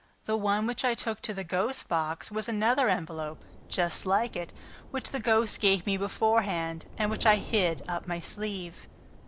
"The one which I took to the ghost's box was another envelope, just like it, which the ghost gave me beforehand and which I hid up my sleeve."